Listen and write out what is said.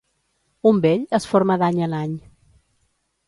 Un vell es forma d'any en any.